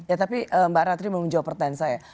ya tapi mbak ratri mau menjawab pertanyaan saya